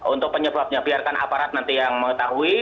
untuk penyebabnya biarkan aparat nanti yang mengetahui